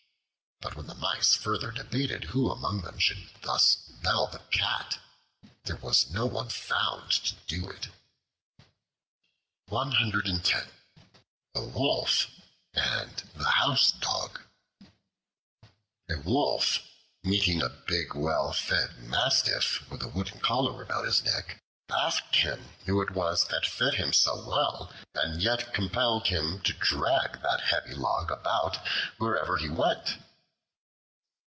But when the Mice further debated who among them should thus "bell the Cat," there was no one found to do it. The Wolf and the Housedog A WOLF, meeting a big well fed Mastiff with a wooden collar about his neck asked him who it was that fed him so well and yet compelled him to drag that heavy log about wherever he went.